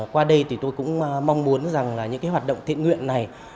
qua đây thì tôi cũng mong muốn rằng là những cái hoạt động thiện nguyện này